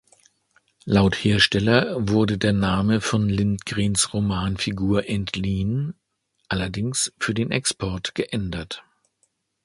Laut Hersteller wurde der Name von Lindgrens Romanfigur entliehen, allerdings für den Export geändert.